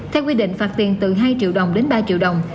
theo quy định phạt tiền từ hai triệu đồng đến ba triệu đồng